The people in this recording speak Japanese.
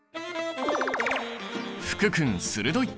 福君鋭い！